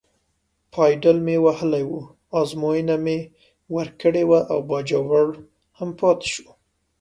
پایډل مې وهلی و، ازموینه مې ورکړې وه او باجوړ هم پاتې شو.